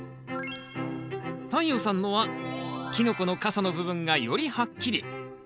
太陽さんのはキノコの傘の部分がよりはっきり。